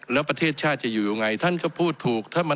แล้วประเทศชาติจะอยู่ยังไงท่านก็พูดถูก